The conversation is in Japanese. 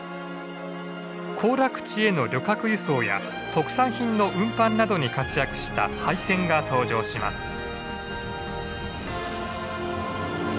行楽地への旅客輸送や特産品の運搬などに活躍した廃線が登場します。